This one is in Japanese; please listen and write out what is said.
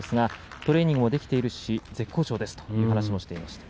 トレーニングもできているし絶好調ですという話をしてました。